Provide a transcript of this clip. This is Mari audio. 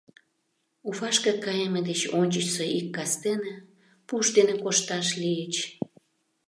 Уфашке кайыме деч ончычсо ик кастене пуш дене кошташ лийыч.